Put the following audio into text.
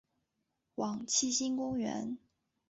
往七星公园